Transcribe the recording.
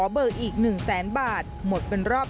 สุดท้าย